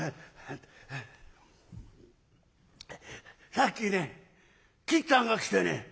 「さっきねきっつぁんが来てね